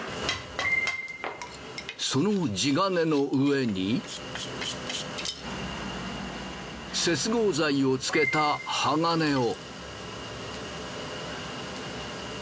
その地金の上に接合材をつけた鋼を。